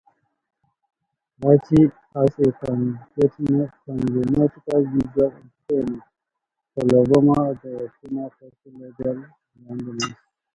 Lachi has a congenital visual impairment, Coloboma of the retina causing legal blindness.